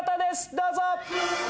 どうぞ！